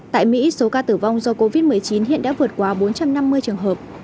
tại mỹ số ca tử vong do covid một mươi chín hiện đã vượt qua bốn trăm năm mươi trường hợp